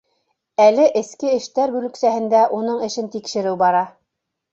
Әле эске эштәр бүлексәһендә уның эшен тикшереү бара.